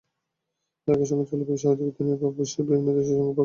একই সঙ্গে জলবায়ু সহযোগিতা নিয়ে বিশ্বের বিভিন্ন দেশের সঙ্গে দ্বিপক্ষীয় আলোচনাও চলবে।